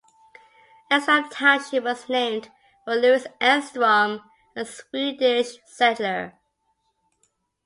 Enstrom Township was named for Louis Enstrom, a Swedish settler.